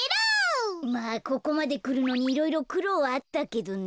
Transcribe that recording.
まあここまでくるのにいろいろくろうはあったけどね。